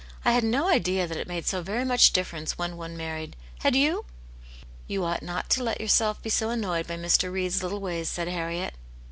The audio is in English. I had no idea that it made 30 very much difTerence when one married ; had you ?"" You ought not to let yourself be so annoyed by Mn Reed's little ways/' said Harriet.